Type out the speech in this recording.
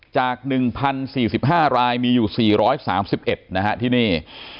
จาก๑๐๔๕รายมีอยู่๔๓๑นะฮะที่นี่